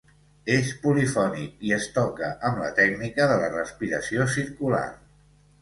És polifònic i es toca amb la tècnica de la respiració circular.